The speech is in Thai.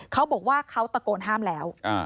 เขาบอกว่าเขาตะโกนห้ามแล้ว